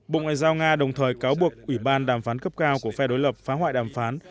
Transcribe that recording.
bộ ngoại giao nga đồng thời cáo buộc ủy ban đàm phán cấp cao của phe đối lập phá hoại đàm phán